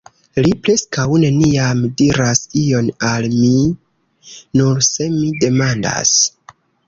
Li preskaŭ neniam diras ion al mi..., nur se mi demandas.